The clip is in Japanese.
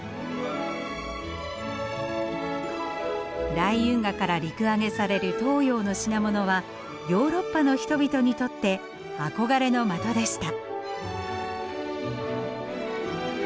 大運河から陸揚げされる東洋の品物はヨーロッパの人々にとって憧れの的でした。